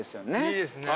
いいですね。